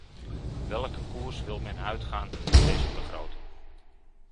Welke koers wil men uitgaan met deze begroting?